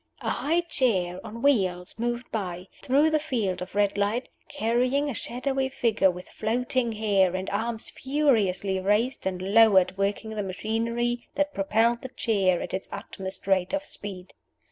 A high chair on wheels moved by, through the field of red light, carrying a shadowy figure with floating hair, and arms furiously raised and lowered working the machinery that propelled the chair at its utmost rate of speed.